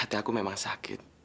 hati aku memang sakit